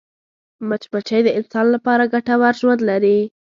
مچمچۍ د انسان لپاره ګټور ژوند لري